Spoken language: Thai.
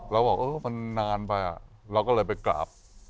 เราบอกเออมันนานไปเราก็เลยไปกราบ